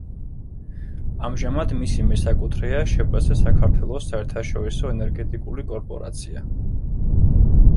ამჟამად მისი მესაკუთრეა შპს „საქართველოს საერთაშორისო ენერგეტიკული კორპორაცია“.